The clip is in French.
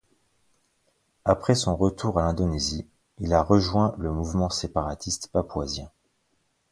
Après son retour à Indonésie il a rejoint le mouvement séparatiste papouasien.